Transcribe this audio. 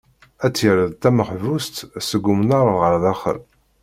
Ad tt-yerr d tameḥbust seg umnar ɣer daxel.